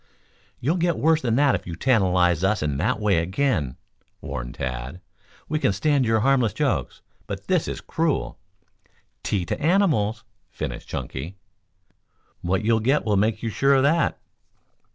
"You'll get worse than that if you tantalize us in that way again," warned Tad. "We can stand for your harmless jokes, but this is cruel "" ty to animals," finished Chunky. "What you'll get will make you sure of that."